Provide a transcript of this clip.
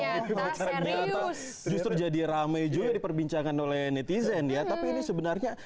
eh ternyata serius justru jadi rame juga diperbincangkan oleh netizen ya tapi ini sebenarnya